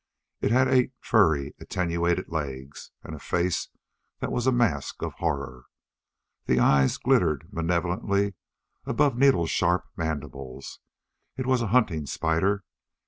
It had eight furry, attenuated legs and a face that was a mask of horror. The eyes glittered malevolently above needle sharp mandibles. It was a hunting spider.